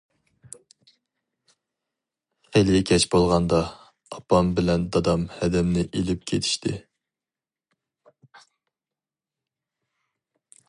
خېلى كەچ بولغاندا، ئاپام بىلەن دادام ھەدەمنى ئېلىپ كېتىشتى.